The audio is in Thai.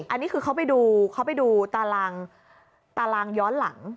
อันนี้คือเขาไปดูตารางย้อนหลัง